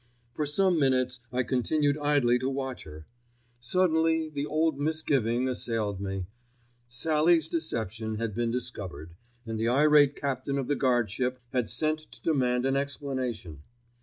For some minutes I continued idly to watch her. Suddenly the old misgiving assailed me. Sallie's deception had been discovered, and the irate captain of the guardship had sent to demand an explanation.